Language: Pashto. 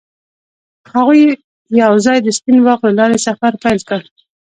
هغوی یوځای د سپین باغ له لارې سفر پیل کړ.